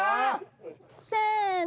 せの。